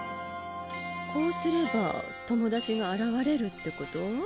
こうすれば友達が現れるってこと？